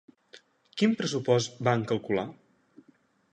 Quin pressupost van calcular?